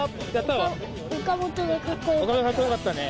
岡本かっこよかったね。